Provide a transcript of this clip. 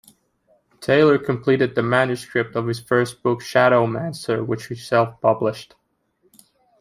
Taylor completed the manuscript of his first book, "Shadowmancer", which he self-published.